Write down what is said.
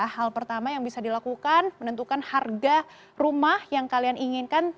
hal pertama yang bisa dilakukan menentukan harga rumah yang kalian inginkan